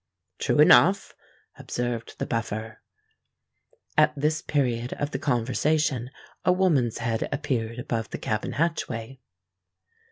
"True enough," observed the Buffer. At this period of the conversation, a woman's head appeared above the cabin hatchway.